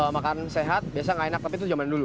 makanan sehat biasa nggak enak tapi itu zaman dulu